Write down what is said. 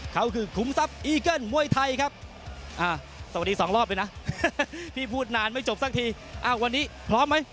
เขาคือขุมทรัพย์อีเกิ้ลมวยไทยครับสวัสดีสองรอบเลยนะพี่พูดนานไม่จบสักทีอ้าววันนี้พร้อมไหม